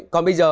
còn bây giờ